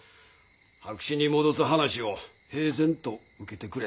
白紙に戻す話を平然と受けてくれた。